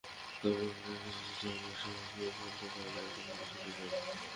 তবে one day series জয়ের আত্মবিশ্বাস নিয়ে খেলতে পারলে ভালো একটা সিরিজ হবে।